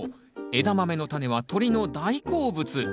エダマメのタネは鳥の大好物。